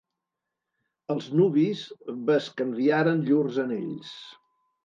Els nuvis bescanviaren llurs anells.